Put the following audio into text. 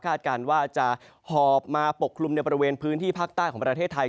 การว่าจะหอบมาปกคลุมในบริเวณพื้นที่ภาคใต้ของประเทศไทย